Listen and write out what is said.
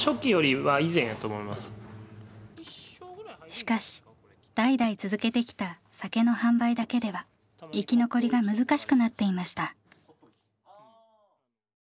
しかし代々続けてきた酒の販売だけでは生き残りが難しくなっていました。